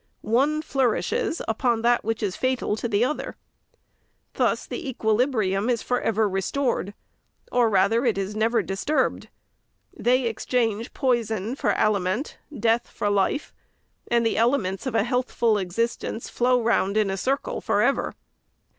One flour ishes upon that which is fatal to the other. Thus the equilibrium is for ever restored ; or rather it is never disturbed. They exchange poison for aliment ; death for life ; and the elements of a healthful existence flow round in a circle for ever.